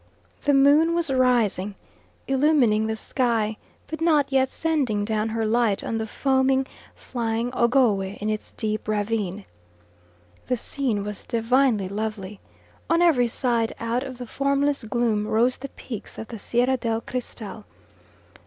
The moon was rising, illumining the sky, but not yet sending down her light on the foaming, flying Ogowe in its deep ravine. The scene was divinely lovely; on every side out of the formless gloom rose the peaks of the Sierra del Cristal.